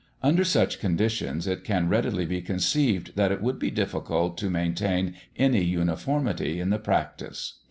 Under such conditions it can readily be conceived that it would be difficult to maintain any uniformity in the practice.